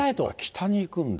北に行くんだ。